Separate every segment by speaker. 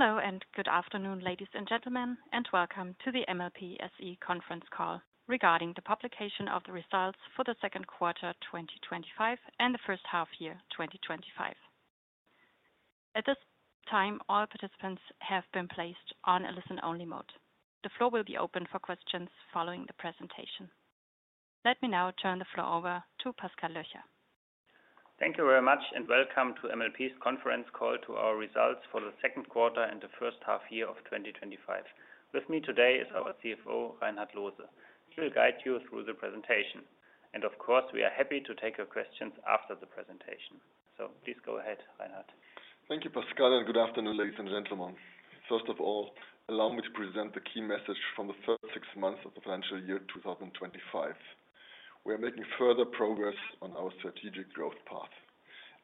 Speaker 1: Hello, and good afternoon, ladies and gentlemen, and welcome to the MLP SE Conference Call regarding the publication of the results for the second quarter 2025 and the first half year 2025. At this time, all participants have been placed on a listen-only mode. The floor will be open for questions following the presentation. Let me now turn the floor over to Pascal Löcher.
Speaker 2: Thank you very much, and welcome to MLP's Conference Call to our results for the second quarter and the first half year of 2025. With me today is our CFO, Reinhard Loose. He will guide you through the presentation. Of course, we are happy to take your questions after the presentation. Please go ahead, Reinhard.
Speaker 3: Thank you, Pascal, and good afternoon, ladies and gentlemen. First of all, allow me to present the key message from the first six months of the financial year 2025. We are making further progress on our strategic growth path.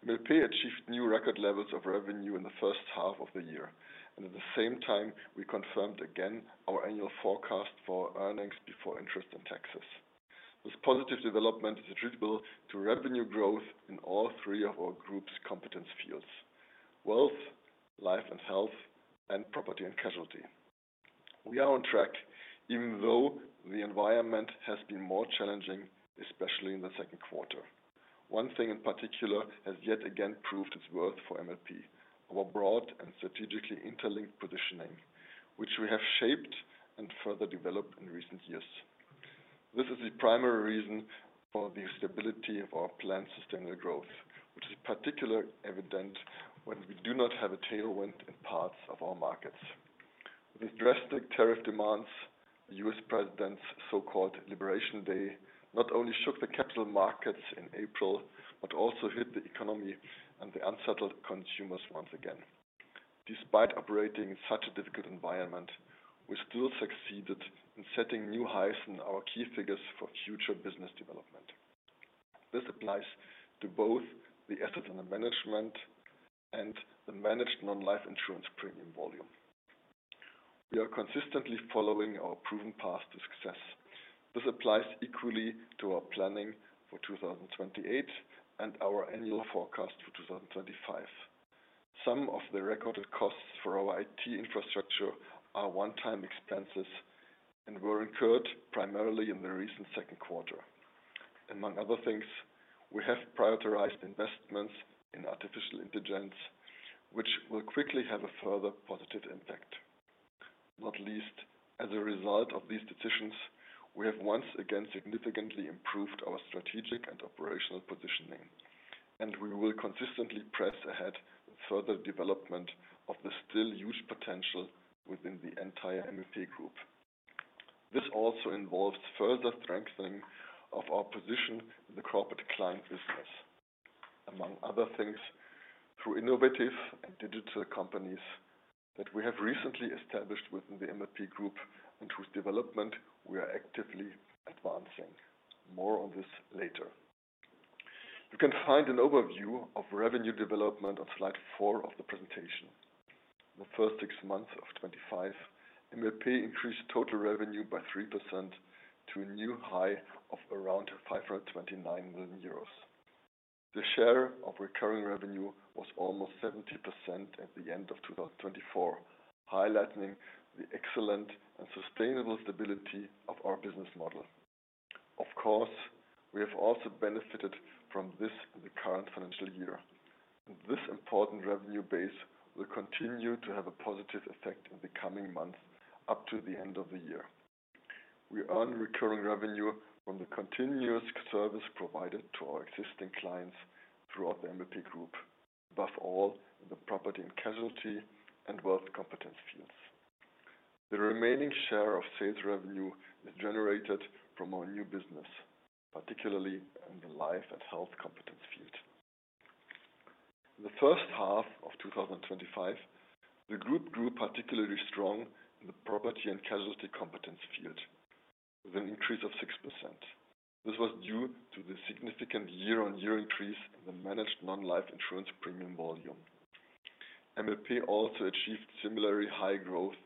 Speaker 3: MLP achieved new record levels of revenue in the first half of the year. At the same time, we confirmed again our annual forecast for earnings before interest and taxes. This positive development is attributable to revenue growth in all three of our group's competence fields: wealth, life and health, and property and casualty. We are on track, even though the environment has been more challenging, especially in the second quarter. One thing in particular has yet again proved its worth for MLP: our broad and strategically interlinked positioning, which we have shaped and further developed in recent years. This is the primary reason for the stability of our planned sustainable growth, which is particularly evident when we do not have a tailwind in parts of our markets. With drastic tariff demands, the U.S. President's so-called Liberation Day not only shook the capital markets in April, but also hit the economy and the unsettled consumers once again. Despite operating in such a difficult environment, we still succeeded in setting new highs in our key figures for future business development. This applies to both the assets under management and the managed non-life insurance premium volume. We are consistently following our proven path to success. This applies equally to our planning for 2028 and our annual forecast for 2025. Some of the recorded costs for our IT infrastructure are one-time expenses and were incurred primarily in the recent second quarter. Among other things, we have prioritized investments in artificial intelligence, which will quickly have a further positive impact. Not least, as a result of these decisions, we have once again significantly improved our strategic and operational positioning. We will consistently press ahead in further development of the still huge potential within the entire MLP Group. This also involves further strengthening of our position in the corporate client business, among other things, through innovative and digital companies that we have recently established within the MLP Group and whose development we are actively advancing. More on this later. You can find an overview of revenue development on slide four of the presentation. In the first six months of 2025, MLP increased total revenue by 3% to a new high of around 529 million euros. The share of recurring revenue was almost 70% at the end of 2024, highlighting the excellent and sustainable stability of our business model. We have also benefited from this in the current financial year. This important revenue base will continue to have a positive effect in the coming months up to the end of the year. We earn recurring revenue from the continuous service provided to our existing clients throughout the MLP Group, above all in the property and casualty and wealth competence fields. The remaining share of sales revenue is generated from our new business, particularly in the life and health competence field. In the first half of 2025, the Group grew particularly strong in the property and casualty competence field, with an increase of 6%. This was due to the significant year-on-year increase in the managed non-life insurance premium volume. MLP also achieved similarly high growth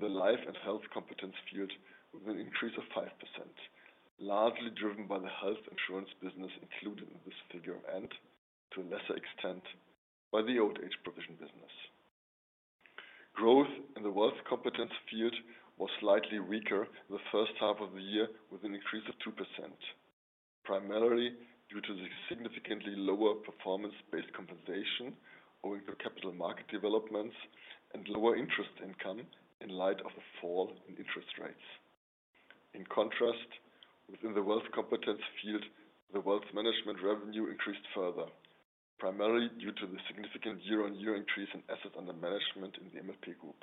Speaker 3: in the life and health competence field, with an increase of 5%, largely driven by the health insurance business included in this figure and, to a lesser extent, by the old age provision business. Growth in the wealth competence field was slightly weaker in the first half of the year, with an increase of 2%, primarily due to the significantly lower performance-based compensation owing to capital market developments and lower interest income in light of the fall in interest rates. In contrast, within the wealth competence field, the wealth-management revenue increased further, primarily due to the significant year-on-year increase in assets under management in the MLP Group.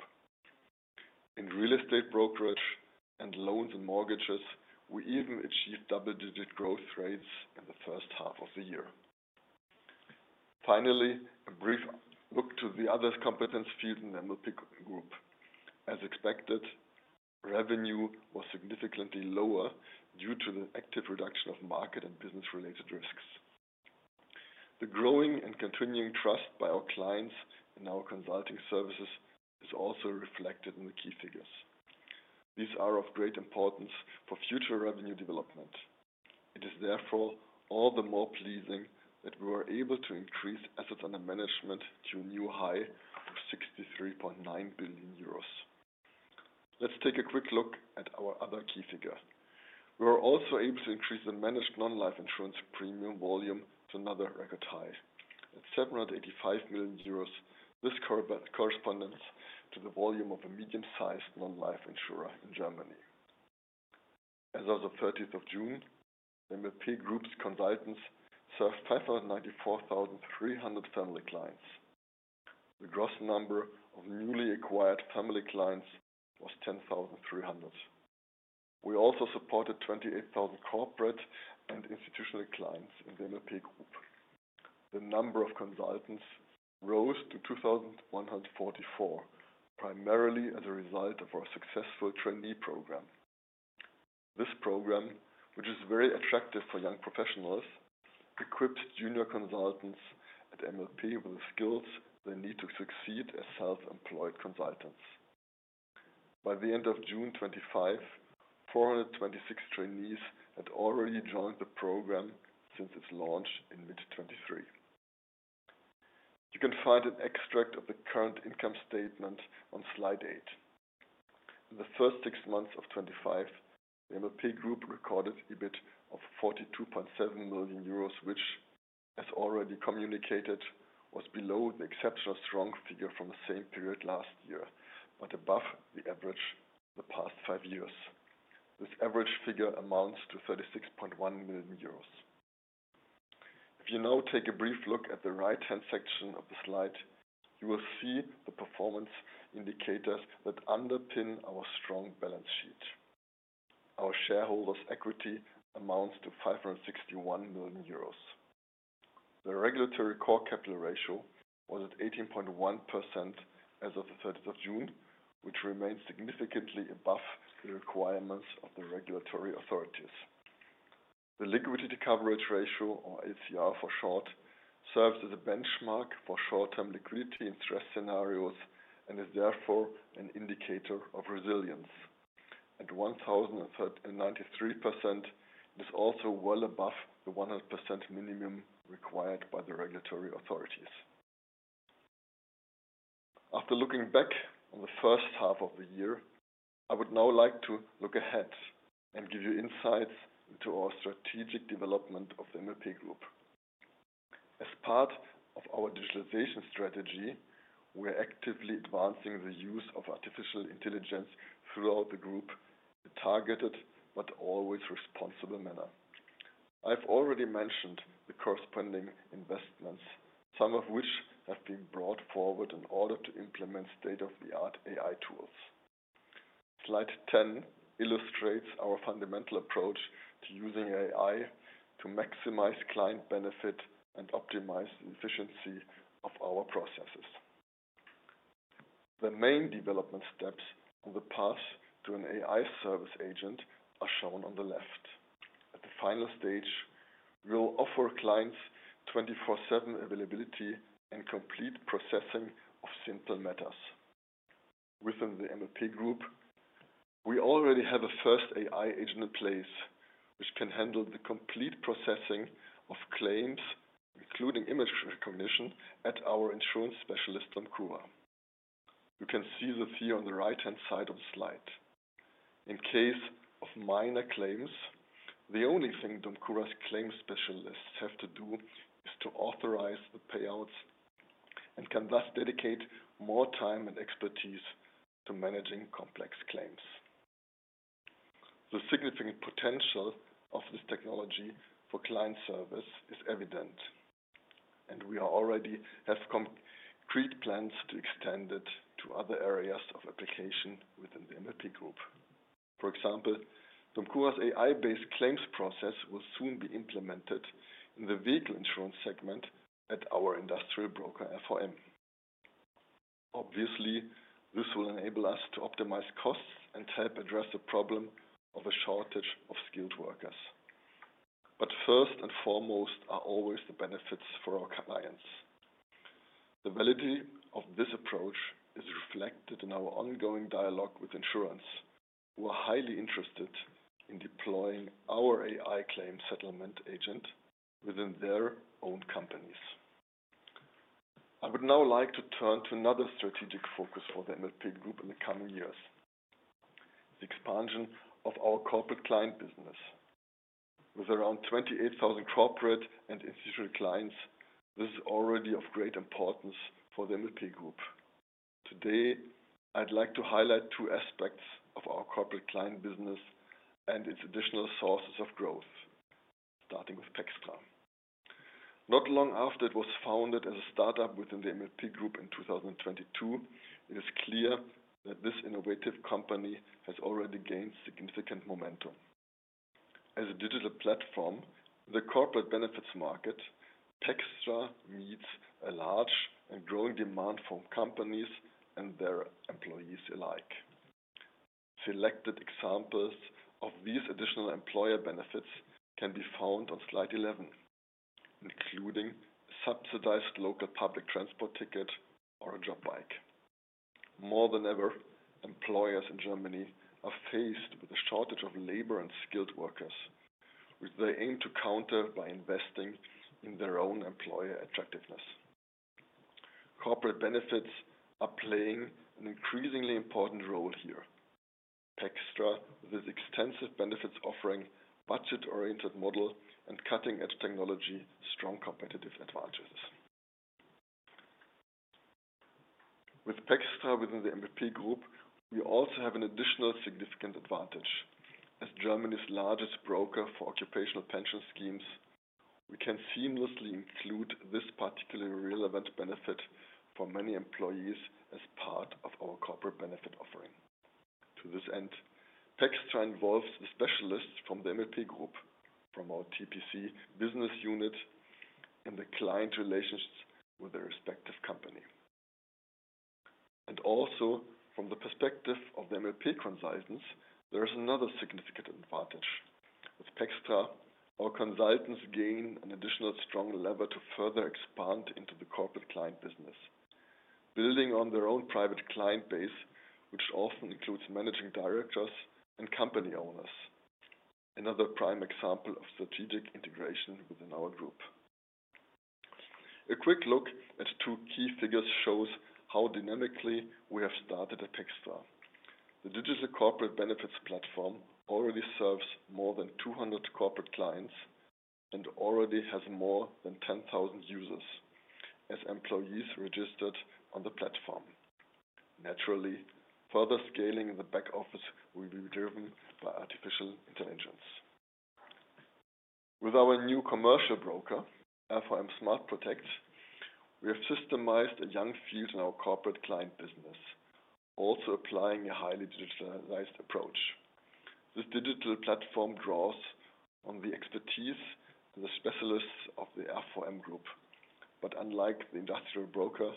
Speaker 3: In real estate brokerage and loans and mortgages, we even achieved double-digit growth rates in the first half of the year. Finally, a brief look at the other competence fields in the MLP Group. As expected, revenue was significantly lower due to the active reduction of market and business-related risks. The growing and continuing trust by our clients in our consulting services is also reflected in the key figures. These are of great importance for future revenue development. It is therefore all the more pleasing that we were able to increase assets under management to a new high of 63.9 billion euros. Let's take a quick look at our other key figure. We were also able to increase the managed non-life insurance premium volume to another record high at 785 million euros. This corresponds to the volume of a medium-sized non-life insurer in Germany. As of the 30th of June, MLP Group's consultants served 594,300 family clients. The gross number of newly acquired family clients was 10,300. We also supported 28,000 corporate and institutional clients in the MLP Group. The number of consultants rose to 2,144, primarily as a result of our successful trainee program. This program, which is very attractive for young professionals, equips junior consultants at MLP with the skills they need to succeed as self-employed consultants. By the end of June 2025, 426 trainees had already joined the program since its launch in mid-2023. You can find an extract of the current income statement on slide eight. In the first six months of 2025, the MLP Group recorded EBIT of 42.7 million euros, which, as already communicated, was below the exceptionally strong figure from the same period last year, but above the average for the past five years. This average figure amounts to 36.1 million euros. If you now take a brief look at the right-hand section of the slide, you will see the performance indicators that underpin our strong balance sheet. Our shareholders' equity amounts to 561 million euros. The regulatory core capital ratio was at 18.1% as of the 30th of June, which remains significantly above the requirements of the regulatory authorities. The liquidity coverage ratio, or LCR for short, serves as a benchmark for short-term liquidity and stress scenarios and is therefore an indicator of resilience. At 1,093%, it is also well above the 100% minimum required by the regulatory authorities. After looking back on the first half of the year, I would now like to look ahead and give you insights into our strategic development of the MLP Group. As part of our digitization strategy, we are actively advancing the use of artificial intelligence throughout the group in a targeted but always responsible manner. I've already mentioned the corresponding investments, some of which have been brought forward in order to implement state-of-the-art AI tools. Slide 10 illustrates our fundamental approach to using AI to maximize client benefit and optimize the efficiency of our processes. The main development steps on the path to an AI service agent are shown on the left. At the final stage, we will offer clients 24/7 availability and complete processing of simple matters. Within the MLP Group, we already have a first AI agent in place, which can handle the complete processing of claims, including image recognition, at our insurance specialist, DOMCURA. You can see the figure on the right-hand side of the slide. In case of minor claims, the only thing DOMCURA's claims specialists have to do is to authorize the payouts and can thus dedicate more time and expertise to managing complex claims. The significant potential of this technology for client service is evident. We already have concrete plans to extend it to other areas of application within the MLP group. For example, DOMCURA's AI-based claims process will soon be implemented in the vehicle insurance segment at our industrial broker, FOM. Obviously, this will enable us to optimize costs and help address the problem of a shortage of skilled workers. First and foremost are always the benefits for our clients. The validity of this approach is reflected in our ongoing dialogue with insurance, who are highly interested in deploying our AI claims settlement agent within their own companies. I would now like to turn to another strategic focus for the MLP Group in the coming years: the expansion of our corporate client business. With around 28,000 corporate and institutional clients, this is already of great importance for the MLP Group. Today, I'd like to highlight two aspects of our corporate client business and its additional sources of growth, starting with :pxtra. Not long after it was founded as a startup within the MLP Group in 2022, it is clear that this innovative company has already gained significant momentum. As a digital platform in the corporate benefits market, :pxtra meets a large and growing demand from companies and their employees alike. Selected examples of these additional employer benefits can be found on slide 11, including a subsidized local public transport ticket or a job bike. More than ever, employers in Germany are faced with a shortage of labor and skilled workers, which they aim to counter by investing in their own employer attractiveness. Corporate benefits are playing an increasingly important role here. :pxtra, with its extensive benefits offering, budget-oriented model, and cutting-edge technology, has strong competitive advantages. With :pxtra within the MLP Group, we also have an additional significant advantage. As Germany's largest broker for occupational pension schemes, we can seamlessly include this particularly relevant benefit for many employees as part of our corporate benefit offering. To this end, :pxtra involves the specialists from the MLP Group, from our TPC business unit, and the client relations with their respective company. Also, from the perspective of the MLP consultants, there is another significant advantage. With :pxtra, our consultants gain an additional strong lever to further expand into the corporate client business, building on their own private client base, which often includes managing directors and company owners. Another prime example of strategic integration within our group. A quick look at two key figures shows how dynamically we have started at :pxtra. The digital corporate benefits platform already serves more than 200 corporate clients and already has more than 10,000 users as employees registered on the platform. Naturally, further scaling in the back office will be driven by artificial intelligence. With our new commercial broker, FOM SmartProtect, we have systemized a young field in our corporate client business, also applying a highly digitalized approach. This digital platform draws on the expertise and the specialists of the FOM group. Unlike the industrial broker,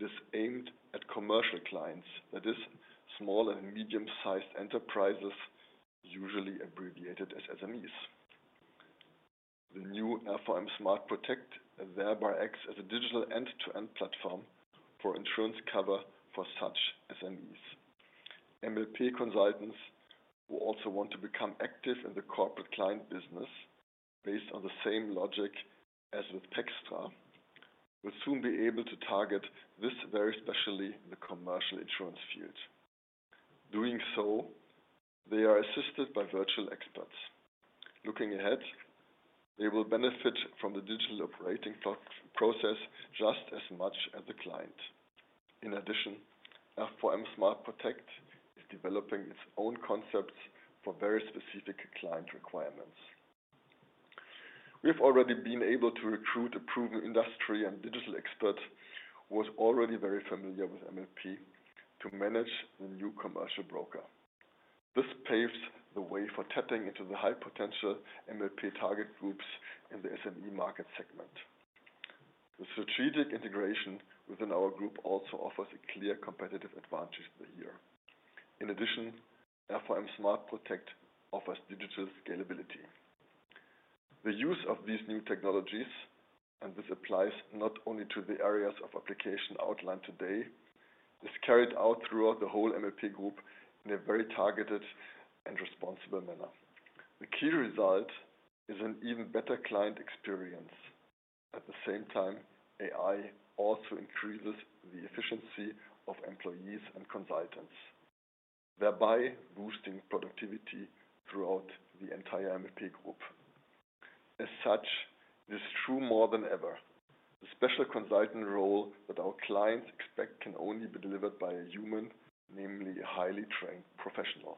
Speaker 3: this is aimed at commercial clients, that is, small and medium-sized enterprises, usually abbreviated as SMEs. The new FOM SmartProtect thereby acts as a digital end-to-end platform for insurance cover for such SMEs. MLP consultants who also want to become active in the corporate client business, based on the same logic as with :pxtra, will soon be able to target this very specially in the commercial insurance field. Doing so, they are assisted by virtual experts. Looking ahead, they will benefit from the digital operating process just as much as the client. In addition, FOM SmartProtect is developing its own concepts for very specific client requirements. We've already been able to recruit a proven industry and digital expert who was already very familiar with MLP to manage the new commercial broker. This paves the way for tapping into the high-potential MLP target groups in the SME market segment. The strategic integration within our group also offers a clear competitive advantage for the year. In addition, FOM SmartProtect offers digital scalability. The use of these new technologies, and this applies not only to the areas of application outlined today, is carried out throughout the whole MLP Group in a very targeted and responsible manner. The key result is an even better client experience. At the same time, AI also increases the efficiency of employees and consultants, thereby boosting productivity throughout the entire MLP Group. As such, it is true more than ever, the special consultant role that our clients expect can only be delivered by a human, namely a highly trained professional.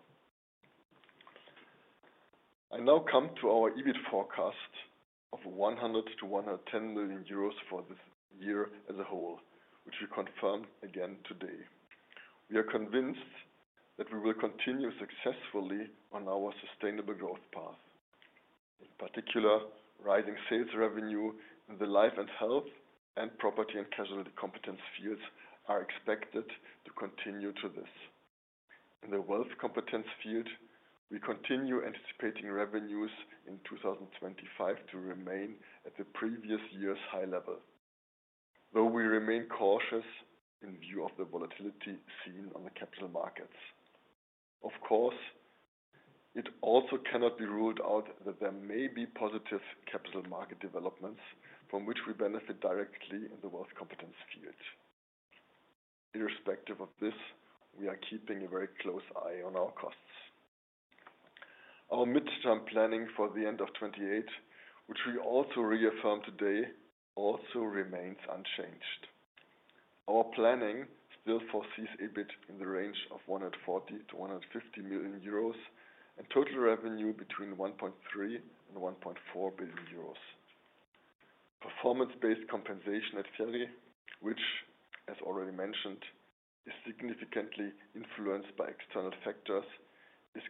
Speaker 3: I now come to our EBIT forecast of 100 million-110 million euros for this year as a whole, which we confirmed again today. We are convinced that we will continue successfully on our sustainable growth path. In particular, rising sales revenue in the life and health and property and casualty competence fields are expected to continue to this. In the wealth competence field, we continue anticipating revenues in 2025 to remain at the previous year's high level, though we remain cautious in view of the volatility seen on the capital markets. Of course, it also cannot be ruled out that there may be positive capital market developments from which we benefit directly in the wealth competence field. In respect of this, we are keeping a very close eye on our costs. Our midterm planning for the end of 2028, which we also reaffirmed today, also remains unchanged. Our planning still foresees EBIT in the range of 140 million-150 million euros and total revenue between 1.3 billion and 1.4 billion euros. Performance-based compensation at FERI, which, as already mentioned, is significantly influenced by external factors, is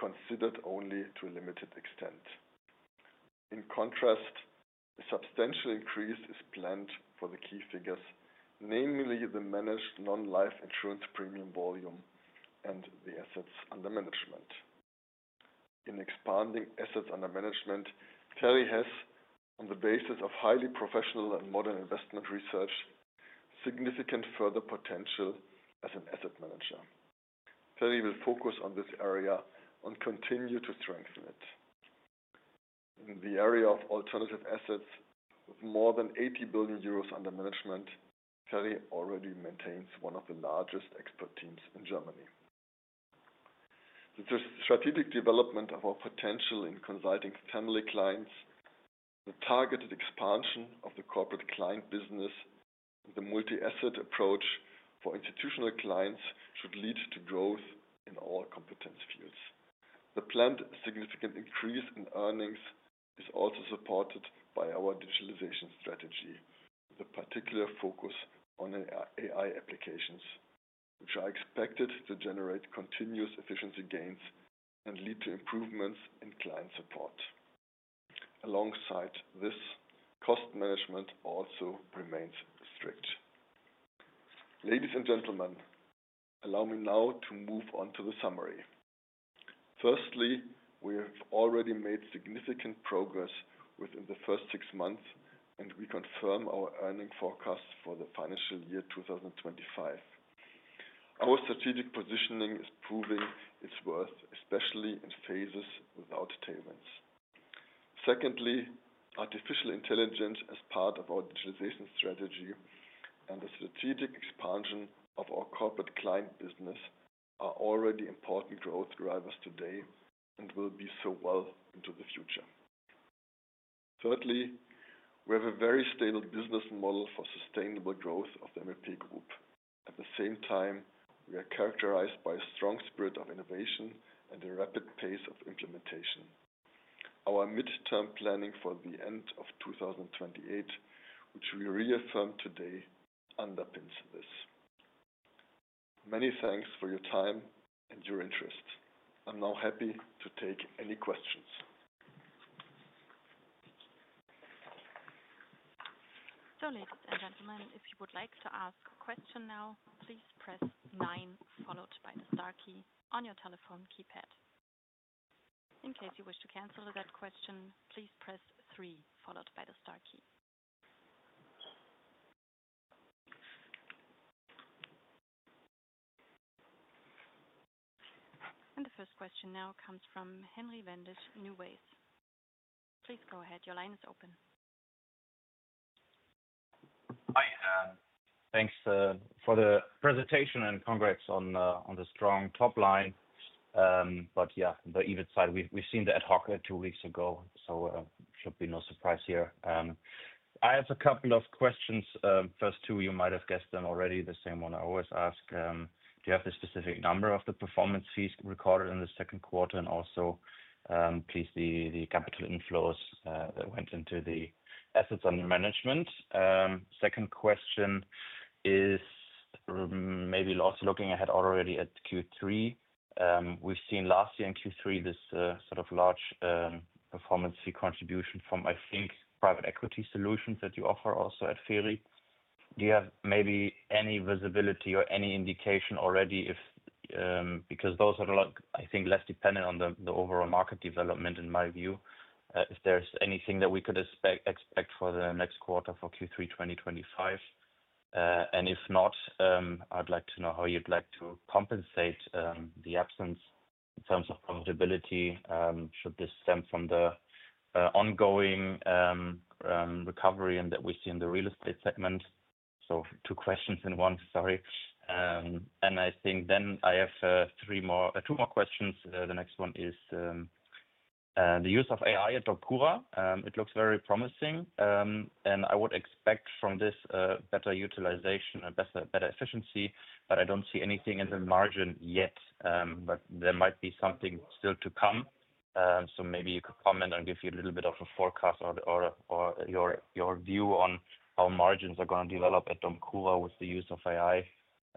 Speaker 3: considered only to a limited extent. In contrast, a substantial increase is planned for the key figures, namely the managed non-life insurance premium volume and the assets under management. In expanding assets under management, FERI has, on the basis of highly professional and modern investment research, significant further potential as an asset manager. FERI will focus on this area and continue to strengthen it. In the area of alternative assets, with more than 80 billion euros under management, FERI already maintains one of the largest expert teams in Germany. The strategic development of our potential in consulting family clients, the targeted expansion of the corporate client business, and the multi-asset approach for institutional clients should lead to growth in all competence fields. The planned significant increase in earnings is also supported by our digitalization strategy, with a particular focus on AI applications, which are expected to generate continuous efficiency gains and lead to improvements in client support. Alongside this, cost management also remains strict. Ladies and gentlemen, allow me now to move on to the summary. Firstly, we have already made significant progress within the first six months, and we confirm our earning forecasts for the financial year 2025. Our strategic positioning is proving its worth, especially in phases without tailwinds. Secondly, artificial intelligence as part of our digitalization strategy and the strategic expansion of our corporate client business are already important growth drivers today and will be so well into the future. Thirdly, we have a very stable business model for sustainable growth of the MLP Group. At the same time, we are characterized by a strong spirit of innovation and a rapid pace of implementation. Our midterm planning for the end of 2028, which we reaffirmed today, underpins this. Many thanks for your time and your interest. I'm now happy to take any questions.
Speaker 1: Ladies and gentlemen, if you would like to ask a question now, please press 9, followed by the star key on your telephone keypad. In case you wish to cancel that question, please press 3, followed by the star key. The first question now comes from Henry Wendisch, NuWays. Please go ahead. Your line is open.
Speaker 4: Hi. Thanks for the presentation and congrats on the strong top line. On the EBIT side, we've seen the ad hoc two weeks ago, so it should be no surprise here. I have a couple of questions. First two, you might have guessed them already, the same one I always ask. Do you have the specific number of the performance fees recorded in the second quarter and also, please, the capital inflows that went into the assets under management? Second question is maybe last. Looking ahead already at Q3, we've seen last year in Q3 this sort of large performance fee contribution from, I think, private equity solutions that you offer also at FERI. Do you have maybe any visibility or any indication already if because those are not, I think, left dependent on the overall market development in my view, if there's anything that we could expect for the next quarter for Q3 2025. If not, I'd like to know how you'd like to compensate the absence in terms of profitability. Should this stem from the ongoing recovery that we see in the real estate segment? Two questions in one, sorry. I think then I have two more questions. The next one is the use of AI at DOMCURA. It looks very promising. I would expect from this better utilization and better efficiency, but I don't see anything in the margin yet. There might be something still to come. Maybe you could comment and give a little bit of a forecast or your view on how margins are going to develop at DOMCURA with the use of AI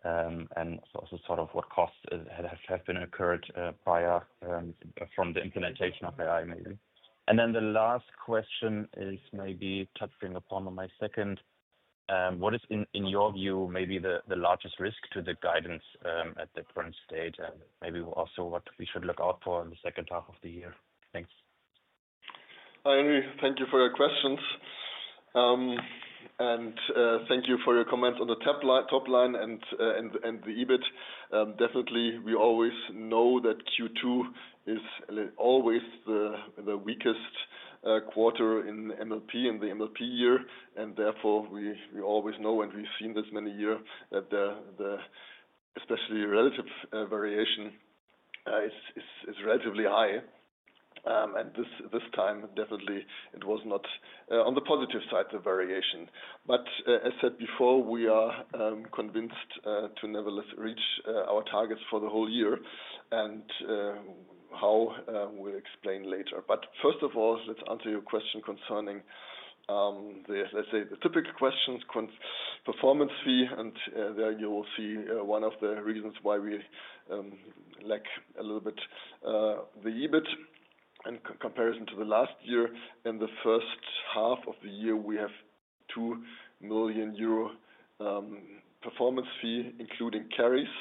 Speaker 4: and also sort of what costs have been incurred prior from the implementation of AI, maybe. The last question is maybe touching upon my second. What is, in your view, maybe the largest risk to the guidance at the current state and maybe also what we should look out for in the second half of the year? Thanks.
Speaker 3: Hi, Henry. Thank you for your questions. Thank you for your comments on the top line and the EBIT. We always know that Q2 is always the weakest quarter in MLP in the MLP year. Therefore, we always know, and we've seen this many years, that the especially relative variation is relatively high. This time, it was not on the positive side, the variation. As said before, we are convinced to nevertheless reach our targets for the whole year and how we'll explain later. First of all, let's answer your question concerning, let's say, the typical questions, performance fee. There you will see one of the reasons why we lack a little bit the EBIT in comparison to last year. In the first half of the year, we have 2 million euro performance fee, including carries.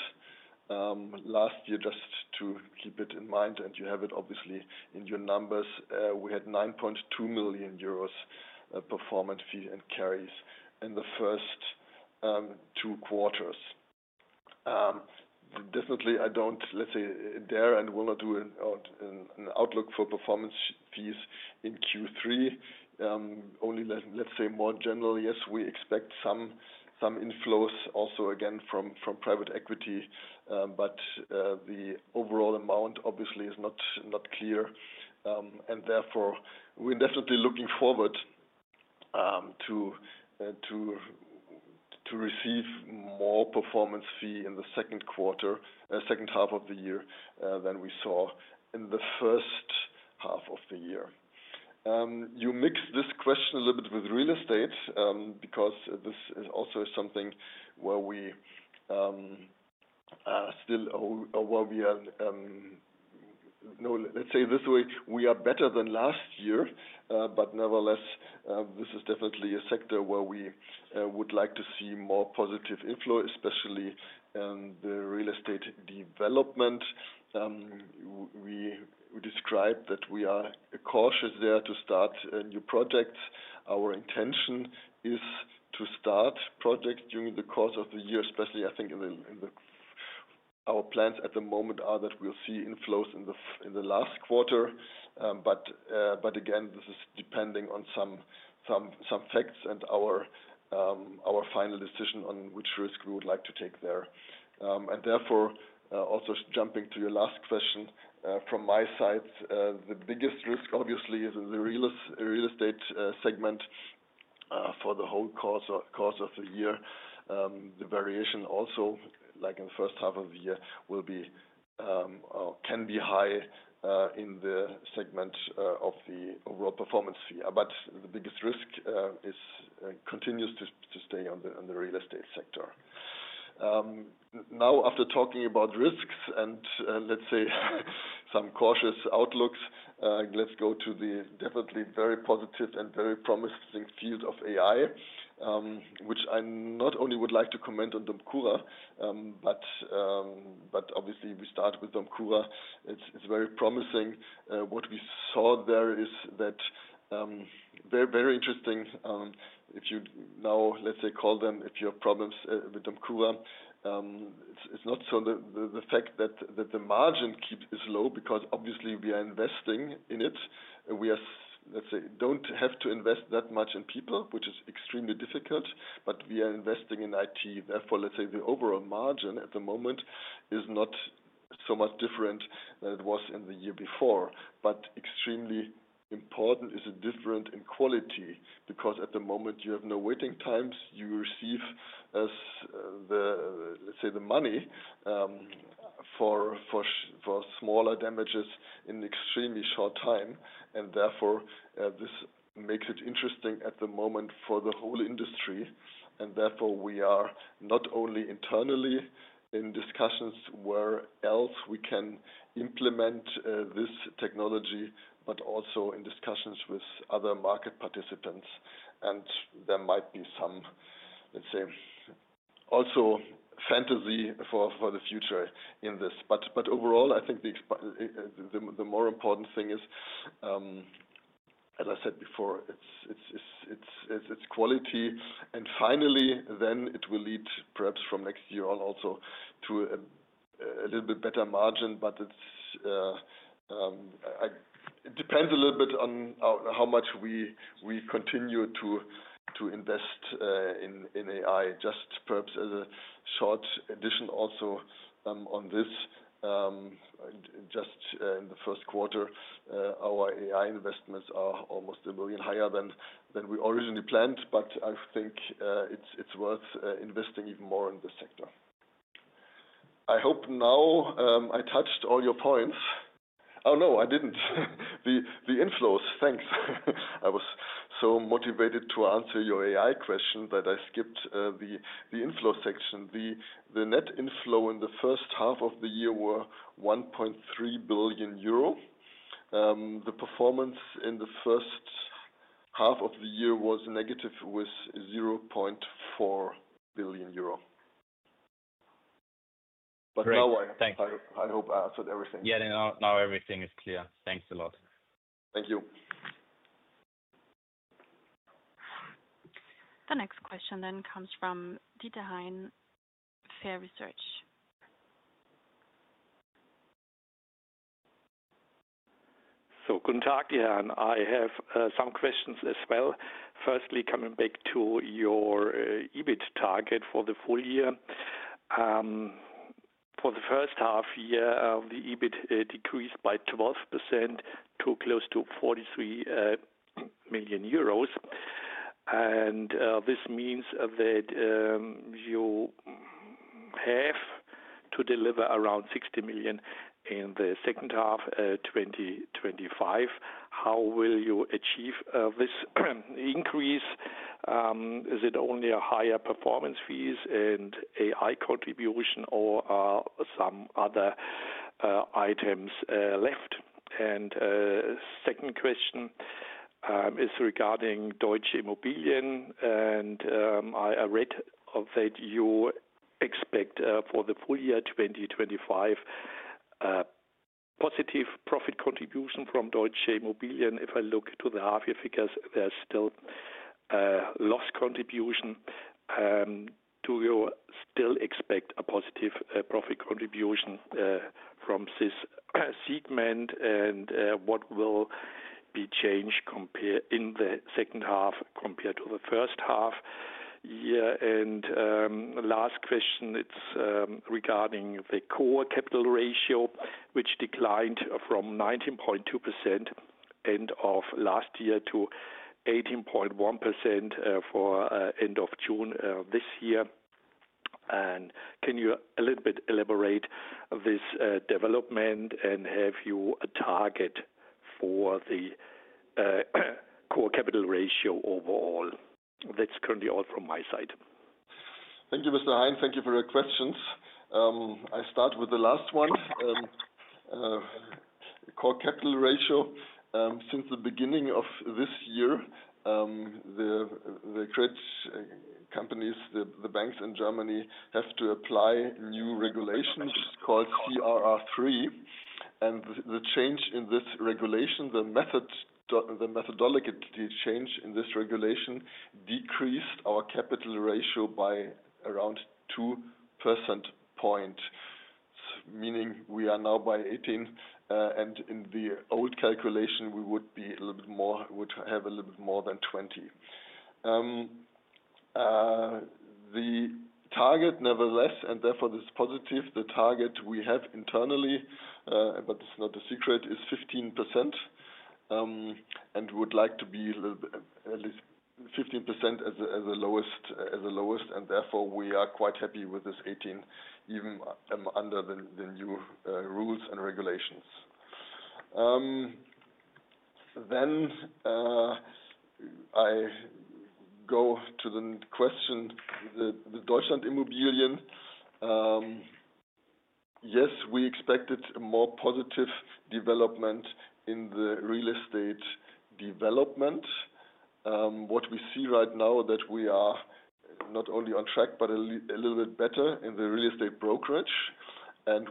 Speaker 3: Last year, just to keep it in mind, and you have it obviously in your numbers, we had 9.2 million euros performance fee and carries in the first two quarters. I don't, let's say, dare and will not do an outlook for performance fees in Q3. Only, let's say more generally, yes, we expect some inflows also again from private equity. The overall amount, obviously, is not clear. We are definitely looking forward to receive more performance fee in the second half of the year than we saw in the first half of the year. You mix this question a little bit with real estate because this is also something where we still, or where we are, let's say this way, we are better than last year. Nevertheless, this is definitely a sector where we would like to see more positive inflow, especially in the real estate development. We describe that we are cautious there to start new projects. Our intention is to start projects during the course of the year. Especially, I think, our plans at the moment are that we'll see inflows in the last quarter. Again, this is depending on some facts and our final decision on which risk we would like to take there. Also jumping to your last question, from my side, the biggest risk, obviously, is in the real estate segment for the whole course of the year. The variation also, like in the first half of the year, can be high in the segment of the overall performance fee. The biggest risk continues to stay in the real estate sector. Now, after talking about risks and, let's say, some cautious outlooks, let's go to the definitely very positive and very promising field of AI, which I not only would like to comment on DOMCURA, but obviously, we start with DOMCURA. It's very promising. What we saw there is very interesting. If you now, let's say, call them, if you have problems with DOMCURA, it's not so the fact that the margin is low because, obviously, we are investing in it. We are, let's say, don't have to invest that much in people, which is extremely difficult, but we are investing in IT. Therefore, the overall margin at the moment is not so much different than it was in the year before. Extremely important is a difference in quality because, at the moment, you have no waiting times. You receive, let's say, the money for smaller damages in an extremely short time. Therefore, this makes it interesting at the moment for the whole industry. We are not only internally in discussions where else we can implement this technology, but also in discussions with other market participants. There might be some, let's say, also fantasy for the future in this. Overall, I think the more important thing is, as I said before, it's quality. Finally, then it will lead perhaps from next year on also to a little bit better margin. It depends a little bit on how much we continue to invest in AI. Just perhaps as a short addition also on this, just in the first quarter, our AI investments are almost 1 million higher than we originally planned. I think it's worth investing even more in this sector. I hope now I touched all your points. Oh, no, I didn't. The inflows, thanks. I was so motivated to answer your AI question that I skipped the inflow section. The net inflow in the first half of the year was 1.3 billion euro. The performance in the first half of the year was negative, was 0.4 billion euro. Now I hope I answered everything.
Speaker 4: Yeah, now everything is clear. Thanks a lot.
Speaker 3: Thank you.
Speaker 4: The next question then comes from Dieter Hein, fairesearch.
Speaker 5: Guten Tag, Jan. I have some questions as well. Firstly, coming back to your EBIT target for the full year. For the first half year, the EBIT decreased by 12% to close to 43 million euros. This means that you have to deliver around 60 million in the second half, 2025. How will you achieve this increase? Is it only higher performance fees and AI contribution, or are some other items left? The second question is regarding Deutsch.Immobilien. I read that you expect for the full year 2025 positive profit contribution from Deutsch.Immobilien. If I look to the half-year figures, there's still a loss contribution. Do you still expect a positive profit contribution from this segment? What will be changed in the second half compared to the first half year? The last question is regarding the core capital ratio, which declined from 19.2% end of last year to 18.1% for the end of June this year. Can you elaborate a little bit on this development and do you have a target for the core capital ratio overall? That's currently all from my side.
Speaker 3: Thank you, Mr. Hein. Thank you for your questions. I start with the last one. Core capital ratio, since the beginning of this year, the credit companies, the banks in Germany have to apply new regulations called CRR3. The change in this regulation, the methodology to change in this regulation decreased our capital ratio by around 2% points, meaning we are now by 18%. In the old calculation, we would be a little bit more, would have a little bit more than 20%. The target, nevertheless, and therefore this is positive, the target we have internally, but it's not a secret, is 15%. We would like to be at least 15% as the lowest. Therefore, we are quite happy with this 18%, even under the new rules and regulations. I go to the question with the Deutschland.Immobilien. Yes, we expected a more positive development in the real estate development. What we see right now is that we are not only on track, but a little bit better in the real estate brokerage.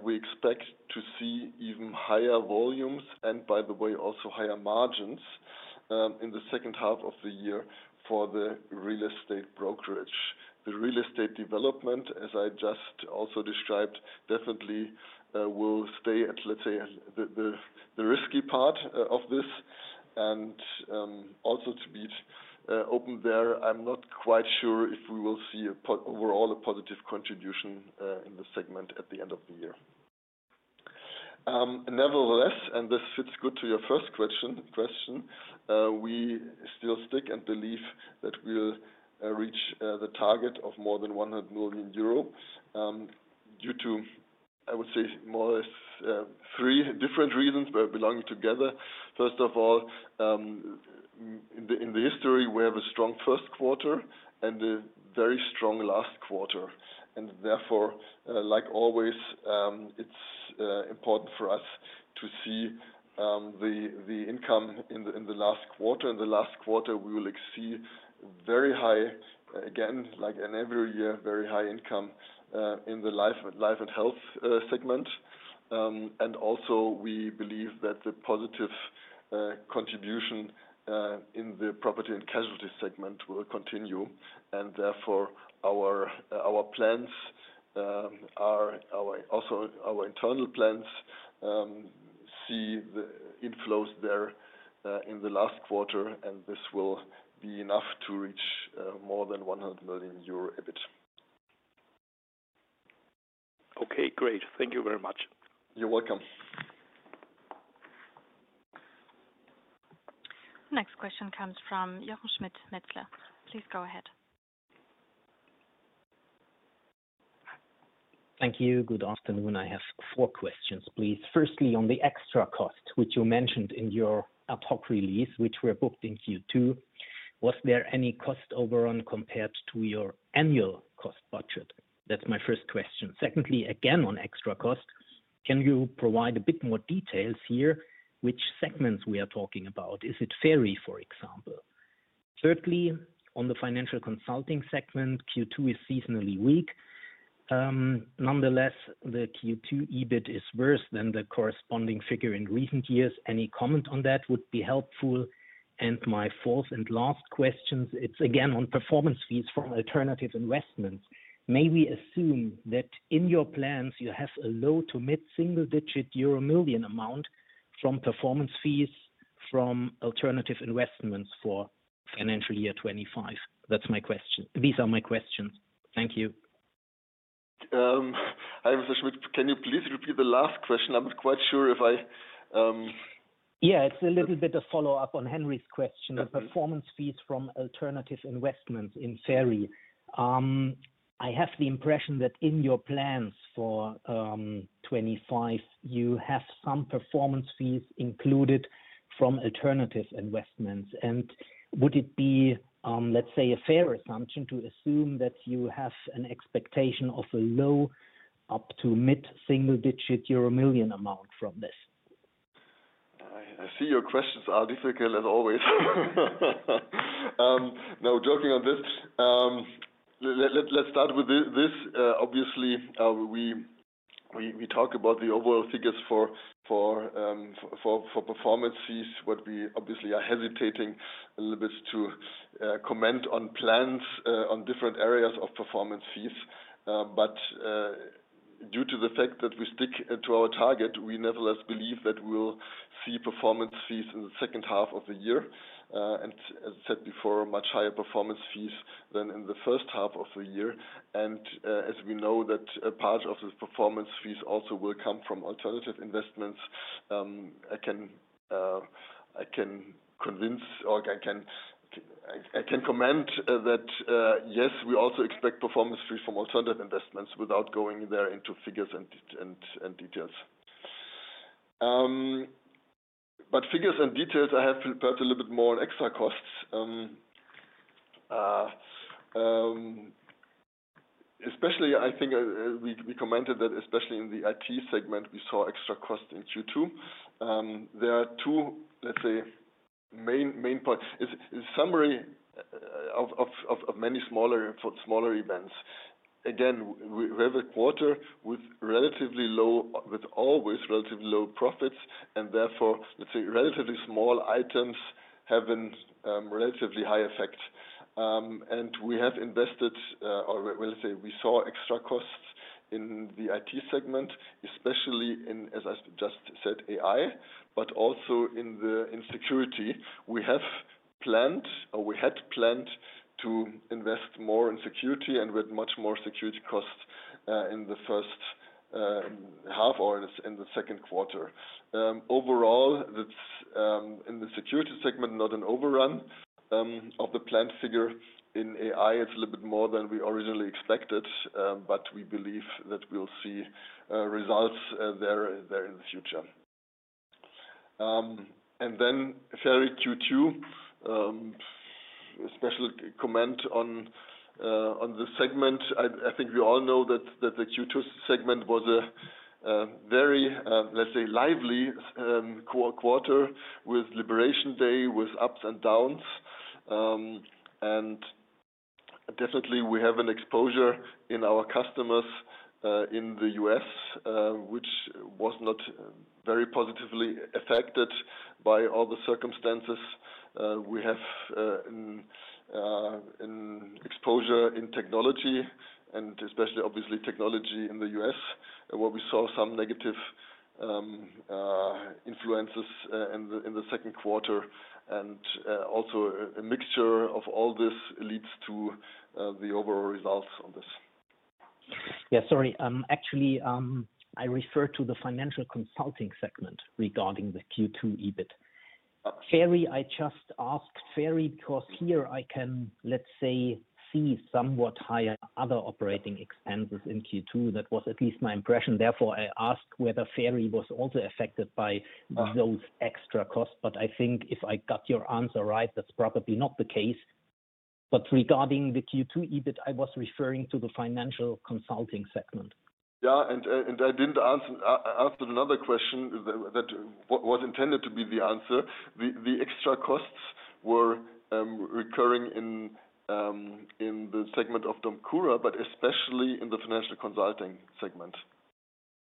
Speaker 3: We expect to see even higher volumes and, by the way, also higher margins in the second half of the year for the real estate brokerage. The real estate development, as I just also described, definitely will stay at, let's say, the risky part of this. Also to be open there, I'm not quite sure if we will see overall a positive contribution in the segment at the end of the year. Nevertheless, and this fits good to your first question, we still stick and believe that we'll reach the target of more than 100 million euro due to, I would say, more or less three different reasons that belong together. First of all, in the history, we have a strong first quarter and a very strong last quarter. Therefore, like always, it's important for us to see the income in the last quarter. In the last quarter, we will exceed very high, again, like in every year, very high income in the life and health segment. Also, we believe that the positive contribution in the property and casualty segment will continue. Therefore, our plans are, also our internal plans, see the inflows there in the last quarter. This will be enough to reach more than 100 million euro EBIT.
Speaker 5: Okay, great. Thank you very much.
Speaker 3: You're welcome.
Speaker 1: The next question comes from Jochen Schmitt, Metzler. Please go ahead.
Speaker 6: Thank you. Good afternoon. I have four questions, please. Firstly, on the extra cost, which you mentioned in your ad hoc release, which were booked in Q2, was there any cost overrun compared to your annual cost budget? That's my first question. Secondly, again, on extra cost, can you provide a bit more details here? Which segments are we talking about? Is it FERI, for example? Thirdly, on the financial consulting segment, Q2 is seasonally weak. Nonetheless, the Q2 EBIT is worse than the corresponding figure in recent years. Any comment on that would be helpful. My fourth and last question is again on performance fees from alternative investments. May we assume that in your plans, you have a low to mid-single-digit euro million amount from performance fees from alternative investments for financial year 2025? That's my question. These are my questions. Thank you.
Speaker 3: I am Mr. Schmitt. Can you please repeat the last question? I'm not quite sure if I.
Speaker 6: Yeah, it's a little bit of follow-up on Henry's question on performance fees from alternative investments in FERI. I have the impression that in your plans for 2025, you have some performance fees included from alternative investments. Would it be, let's say, a fair assumption to assume that you have an expectation of a low up to mid-single-digit euro million amount from this?
Speaker 3: I see your questions are difficult as always. Now, joking on this, let's start with this. Obviously, we talk about the overall figures for performance fees, what we obviously are hesitating a little bit to comment on plans on different areas of performance fees. Due to the fact that we stick to our target, we nevertheless believe that we'll see performance fees in the second half of the year. As I said before, much higher performance fees than in the first half of the year. As we know, that a part of the performance fees also will come from alternative assets. I can convince or I can comment that, yes, we also expect performance fees from alternative assets without going there into figures and details. Figures and details, I have perhaps a little bit more on extra costs. Especially, I think we commented that especially in the IT segment, we saw extra costs in Q2. There are two, let's say, main points. In summary, of many smaller events, again, we have a quarter with relatively low, with always relatively low profits. Therefore, relatively small items have a relatively high effect. We have invested, or let's say, we saw extra costs in the IT segment, especially in, as I just said, artificial intelligence (AI), but also in security. We have planned, or we had planned to invest more in security and with much more security costs in the first half or in the second quarter. Overall, that's in the security segment, not an overrun of the planned figure. In artificial intelligence (AI), it's a little bit more than we originally expected. We believe that we'll see results there in the future. FERI Q2, special comment on the segment. I think we all know that the Q2 segment was a very, let's say, lively core quarter with Liberation Day, with ups and downs. Definitely, we have an exposure in our customers in the U.S., which was not very positively affected by all the circumstances. We have an exposure in technology, and especially, obviously, technology in the U.S., where we saw some negative influences in the second quarter. Also, a mixture of all this leads to the overall results on this.
Speaker 6: Sorry. Actually, I refer to the financial consulting segment regarding the Q2 EBIT. FERI, I just asked FERI because here I can, let's say, see somewhat higher other operating expenses in Q2. That was at least my impression. Therefore, I asked whether FERI was also affected by those extra costs. I think if I got your answer right, that's probably not the case. Regarding the Q2 EBIT, I was referring to the financial consulting segment.
Speaker 3: I didn't ask another question that was intended to be the answer. The extra costs were recurring in the segment of DOMCURA, especially in the financial consulting segment.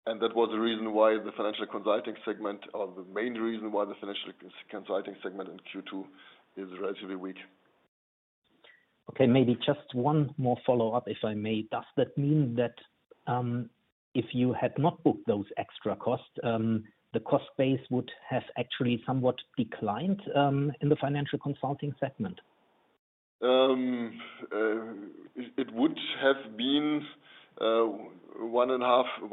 Speaker 3: That was the reason why the financial consulting segment, or the main reason why the financial consulting segment in Q2 is relatively weak.
Speaker 6: Okay. Maybe just one more follow-up, if I may. Does that mean that if you had not booked those extra costs, the cost base would have actually somewhat declined in the financial consulting segment?
Speaker 3: It would have been 1.5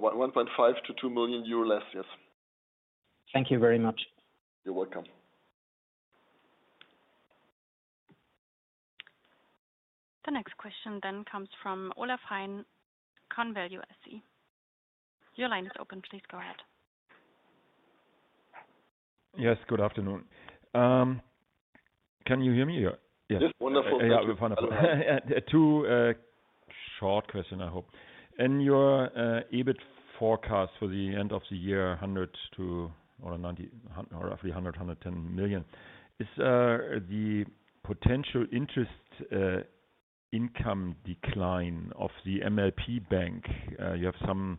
Speaker 3: million-2 million euro less, yes.
Speaker 6: Thank you very much.
Speaker 3: You're welcome.
Speaker 1: The next question then comes from Olaf Hein, ConValue SE. Your line is open. Please go ahead.
Speaker 7: Yes. Good afternoon. Can you hear me?
Speaker 3: Yes. Wonderful.
Speaker 7: Yeah, wonderful. Two short questions, I hope. In your EBIT forecast for the end of the year, 100 million to or roughly 100 million, 110 million, is the potential interest income decline of the MLP bank? You have some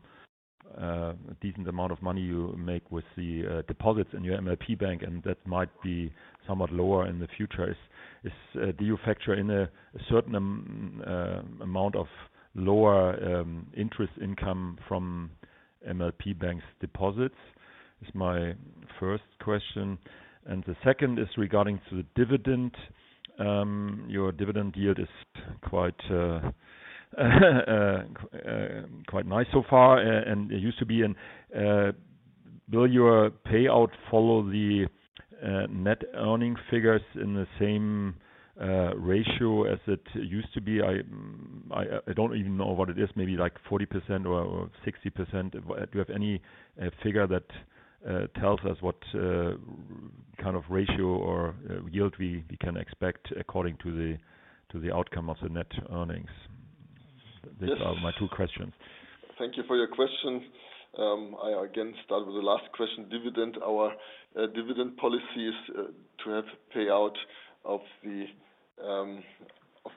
Speaker 7: decent amount of money you make with the deposits in your MLP bank, and that might be somewhat lower in the future. Do you factor in a certain amount of lower interest income from MLP bank's deposits? That's my first question. The second is regarding the dividend. Your dividend yield is quite nice so far. It used to be in, will your payout follow the net earning figures in the same ratio as it used to be? I don't even know what it is, maybe like 40% or 60%. Do you have any figure that tells us what kind of ratio or yield we can expect according to the outcome of the net earnings? These are my two questions.
Speaker 3: Thank you for your question. I again start with the last question. Our dividend policy is to have payout of the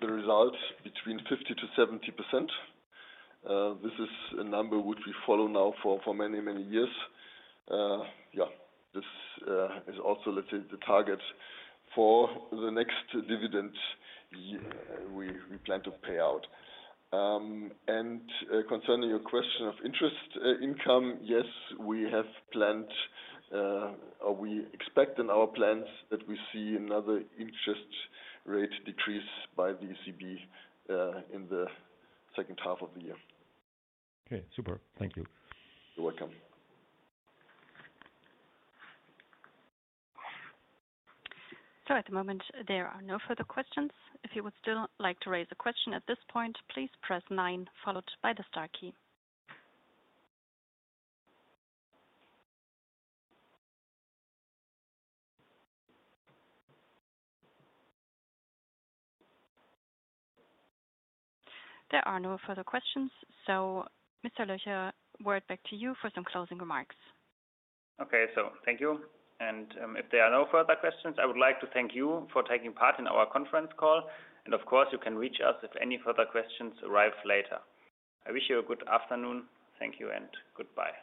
Speaker 3: results between 50%-70%. This is a number which we follow now for many, many years. Yeah. This is also, let's say, the target for the next dividends we plan to pay out. Concerning your question of interest income, yes, we have planned, or we expect in our plans that we see another interest rate decrease by the ECB in the second half of the year.
Speaker 7: Okay. Super. Thank you.
Speaker 3: You're welcome.
Speaker 4: At the moment, there are no further questions. If you would still like to raise a question at this point, please press nine, followed by the star key. There are no further questions. Mr. Löcher, word back to you for some closing remarks.
Speaker 2: Thank you. If there are no further questions, I would like to thank you for taking part in our conference call. Of course, you can reach us if any further questions arrive later. I wish you a good afternoon. Thank you and goodbye.